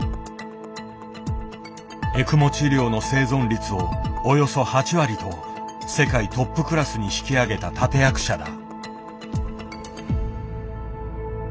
エクモ治療の生存率をおよそ８割と世界トップクラスに引き上げた立て役者だ。